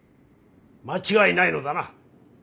間違いないのだな。